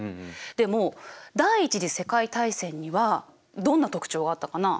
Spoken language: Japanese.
でも第一次世界大戦にはどんな特徴があったかな？